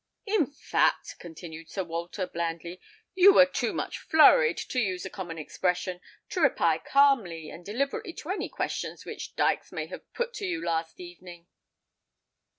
"In fact," continued Sir Walter blandly, "you were too much flurried, to use a common expression, to reply calmly and deliberately to any questions which Dykes may have put to you last evening."